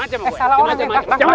eh salah orang ya